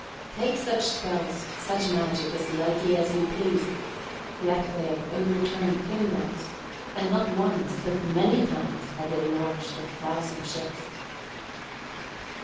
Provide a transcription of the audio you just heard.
Take such spells, such magic, as lightly as you please; yet they have overturned kingdoms and not once, but many times, have they launched a thousand ships.